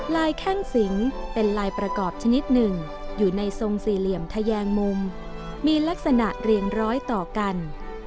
แข้งสิงเป็นลายประกอบชนิดหนึ่งอยู่ในทรงสี่เหลี่ยมทะแยงมุมมีลักษณะเรียงร้อยต่อกัน